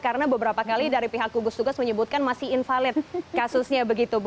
karena beberapa kali dari pihak kugus tugas menyebutkan masih invalid kasusnya begitu